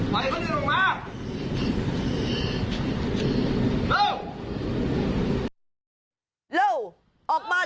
ไปเกาะให้เดินลงม้า